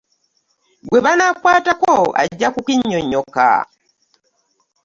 Gwe banaakwatako ajja kukinnyonnyoka.